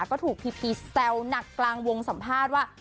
ก็ถูกพีพีแซวหนักกลางวงสัมภาษณ์ว่า